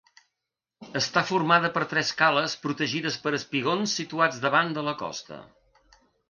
Està formada per tres cales protegides per espigons situats davant de la costa.